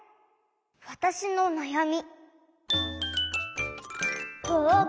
「わたしのなやみ」。